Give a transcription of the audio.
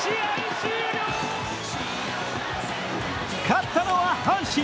勝ったのは阪神！